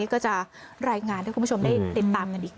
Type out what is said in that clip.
ก็จะรายงานให้คุณผู้ชมได้ติดตามกันอีก